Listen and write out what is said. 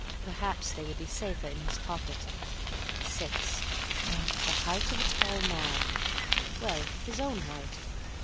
Perhaps they would be safer in his pocket. Six. The height of a tall man—well, his own height.